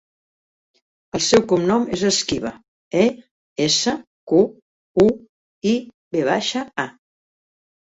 El seu cognom és Esquiva: e, essa, cu, u, i, ve baixa, a.